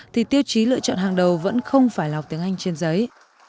thì tiêu chí lựa chọn hàng đầu vẫn không phải là học tiếng anh trên giấy